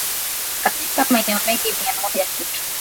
katika maeneo mengi mia moja kitu